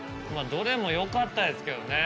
どれもよかったですけどね。